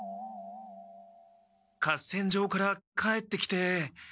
合戦場から帰ってきて。